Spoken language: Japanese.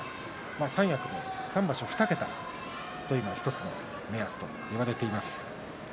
三役で３場所２桁というのは１つの目安といわれています。